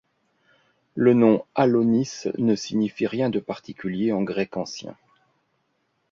Le nom Alônis ne signifie rien de particulier en Grec ancien.